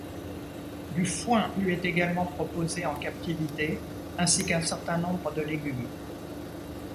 Du foin lui est également proposé en captivité, ainsi qu'un certain nombre de légumes.